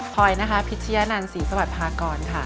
อยนะคะพิชยะนันศรีสวัสดิพากรค่ะ